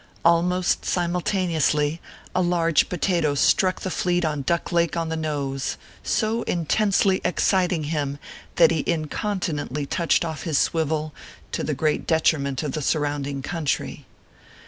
Almost simultaneously, a large potato struck the fleet on Duck Lake on the. nose, so intensely exciting him that he incontinently touched off his swivel, to the great detriment of the surrounding country.